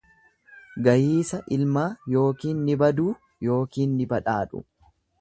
Gayiisa ilmaa yookiin ni baduu yookiin ni badhaadhu.